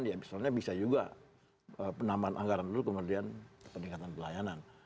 ya misalnya bisa juga penambahan anggaran dulu kemudian peningkatan pelayanan